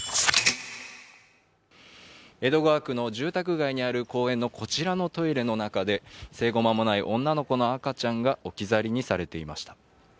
江戸川区の住宅街にある公園のこちらにあるトイレの中で生後間もない女の子の赤ちゃんが置き去りにされていました。